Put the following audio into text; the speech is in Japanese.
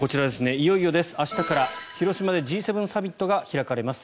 いよいよ明日から広島でＧ７サミットが開かれます。